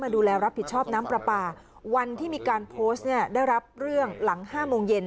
ได้รับเรื่องหลัง๕โมงเย็น